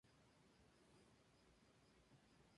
Cuando acaba la escena, tú no vales nada"".